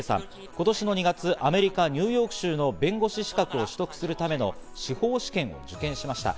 今年の２月、アメリカ・ニューヨーク州の弁護士資格を取得するための司法試験を受験しました。